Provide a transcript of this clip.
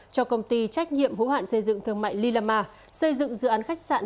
cho công ty trách nhiệm hữu hạn xây dựng thương mại lila ma xây dựng dự án khách sạn